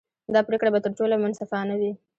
دا پرېکړه به تر ټولو منصفانه وي.